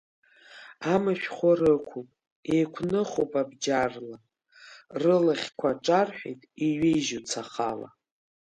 Амышә-хәы рықәуп, еиқәныхуп абџьарла, рылахьқәа ҿарҳәеит иҩежьу цахала.